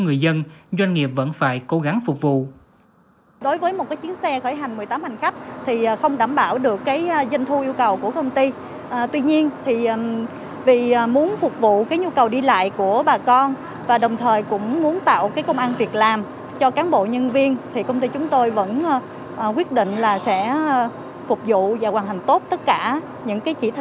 người dân doanh nghiệp vẫn phải cố gắng phục vụ